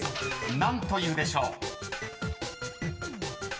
［何というでしょう？］